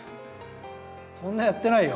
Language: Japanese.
そんなやってないよ。